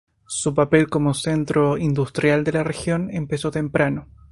Su papel como centro industrial de la región empezó temprano.